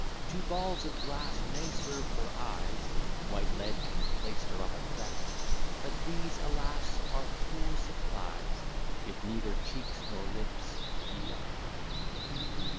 Two balls of glass may serve for eyes, White lead can plaister up a cleft; But these, alas, are poor supplies If neither cheeks nor lips be left.